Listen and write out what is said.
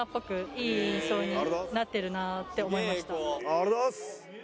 ありがとうございます！